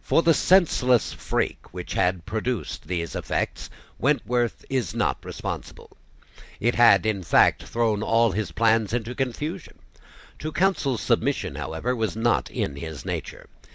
For the senseless freak which had produced these effects Wentworth is not responsible. It had, in fact, thrown all his plans into confusion. To counsel submission, however, was not in his nature.